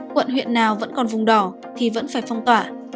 quận huyện nào vẫn còn vùng đỏ thì vẫn phải phong tỏa